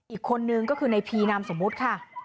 อีกคนนึงก็คือในพีนามสมมุติค่ะ